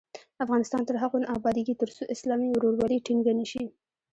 افغانستان تر هغو نه ابادیږي، ترڅو اسلامي ورورولي ټینګه نشي.